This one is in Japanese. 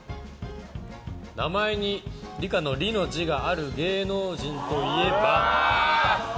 名前に「理」の字がある芸能人といえば？